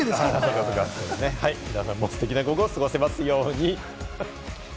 では、皆さんがステキな午後を過ごせますように。